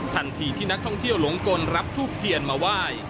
ทันทีที่นักท่องเที่ยวหลงกลรับทูบเทียนมาไหว้